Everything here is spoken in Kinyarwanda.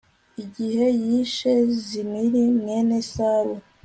igihe yishe zimiri mwene salu